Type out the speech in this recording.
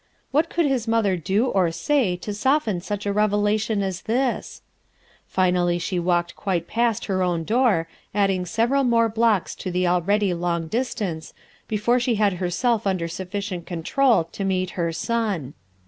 What could his mother do or say to soften such a revelation as this ! Finally she walked quite past her own door, adding several more blocks to the already l ong distance, before she had herself under suffi cient control to meet her son.